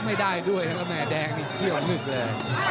ไม่ได้ด้วยแล้วก็แหมดแดงอีกขี้กว่าหมึกเลย